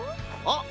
あっ！